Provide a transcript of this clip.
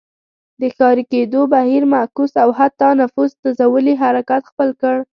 د ښاري کېدو بهیر معکوس او حتی نفوس نزولي حرکت خپل کړ.